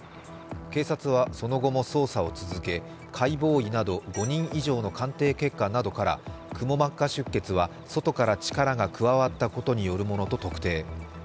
警察はその後も捜査を続け、解剖医など、５人以上の鑑定結果などからくも膜下出血は外から力が加わったことによるものと特定。